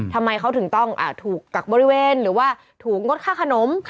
ทำไมเขาถึงต้องถูกกักบริเวณหรือว่าถูกงดค่าขนม